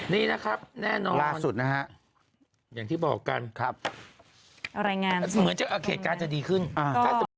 นี่นะครับแน่นอนล่าสุดนะฮะอย่างที่บอกกันครับเหมือนจะเหตุการณ์จะดีขึ้น